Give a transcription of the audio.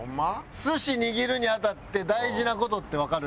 寿司握るにあたって大事な事ってわかる？